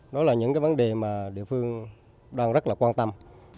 đó là những vấn đề mà địa phương đang rất quan tâm